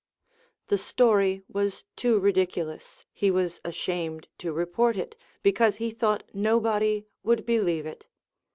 The story was too ridiculous, he was ashamed to report it, because he thought nobody would believe it.